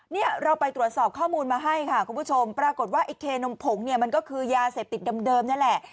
เนี่ยเราไปตรวจสอบข้อมูลมาให้ค่ะคุณผู้ชมปรากฏว่าไอ้เคนมผงเนี่ยมันก็คือยาเสพติดเดิมนั่นแหละ